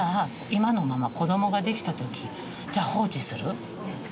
今のまま子どもができた時じゃあ放置する？